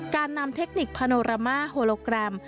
การนำเทคนิคพาโนรามาโฮโลแกรม